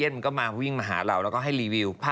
เห็นต้องทำอะไรเลยอ่ะ